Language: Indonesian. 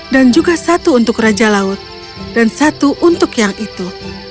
dan juga satu untuk raja laut dan satu untuk yang itu